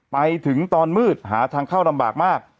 ไปถึงตอนมืดหาทางเข้าลำบากมาก